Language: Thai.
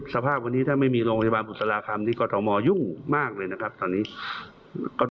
สภาพวันนี้ถ้าไม่มีโรงพยาบาลบุษราคำนี่กระตูงสาธารณสุขก็ยุ่งมากเลยนะครับ